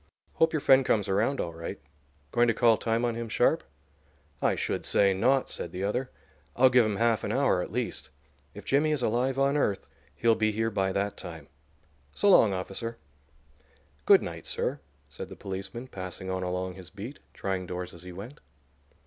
Hope your friend comes around all right. Going to call time on him sharp?" "I should say not!" said the other. "I'll give him half an hour at least. If Jimmy is alive on earth he'll be here by that time. So long, officer." "Good night, sir," said the policeman, passing on along his beat, trying doors as he went.